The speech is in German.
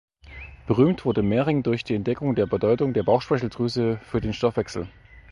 Berühmt wurde Mering durch die Entdeckung der Bedeutung der Bauchspeicheldrüse für den Stoffwechsel.